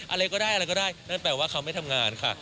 อะไรก็ได้อะไรก็ได้นั่นแปลว่าเขาไม่ทำงานค่ะ